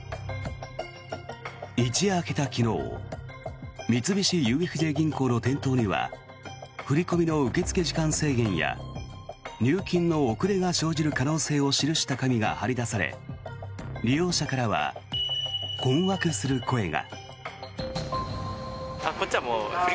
一夜明けた昨日三菱ＵＦＪ銀行の店頭には振り込みの受付時間制限や入金の遅れが生じる可能性を記した紙が貼り出され利用者からは困惑する声が。